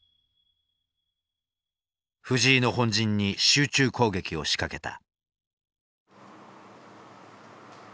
藤井の本陣に集中攻撃を仕掛けた。